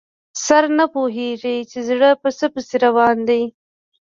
سر نه پوهېږي چې زړه په څه پسې روان دی.